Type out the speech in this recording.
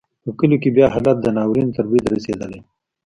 په کلیو کې بیا حالت د ناورین تر بریده رسېدلی و.